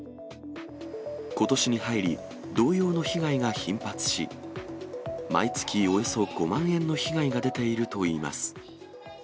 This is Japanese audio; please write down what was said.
ことしに入り、同様の被害が頻発し、毎月およそ５万円の被害が出ているといいます。